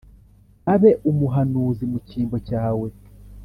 abe umuhanuzi mu cyimbo cyawe.